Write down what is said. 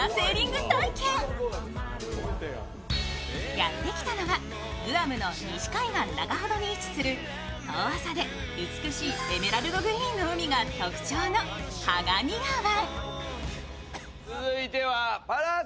やってきたのはグアムの西海岸中ほどに位置する遠浅で美しいエメラルドグリーンの海が特徴のハガニア湾。